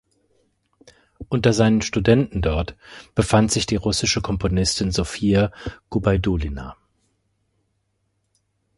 Unter seinen Studenten dort befand sich die russische Komponistin Sofia Gubaidulina.